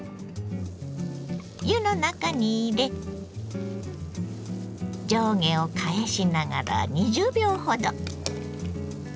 湯の中に入れ上下を返しながら２０秒ほど。